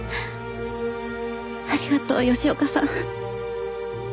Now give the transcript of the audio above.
ありがとう吉岡さん。